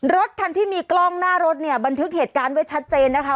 รถคันที่มีกล้องหน้ารถเนี่ยบันทึกเหตุการณ์ไว้ชัดเจนนะคะ